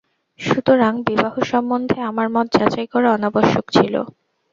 সুতরাং, বিবাহসম্বন্ধে আমার মত যাচাই করা অনাবশ্যক ছিল।